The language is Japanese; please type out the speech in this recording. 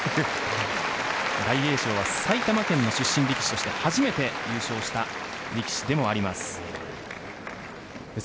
大栄翔は埼玉県の出身力士として初めて優勝した力士でもあります。